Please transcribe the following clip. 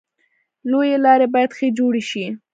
لویې لارې باید ښه جوړې شي.